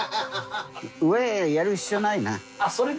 上やる必要ないな。